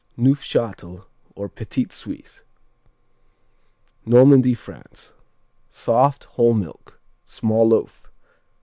Neufchâtel, or Petit Suisse Normandy, France Soft; whole milk; small loaf.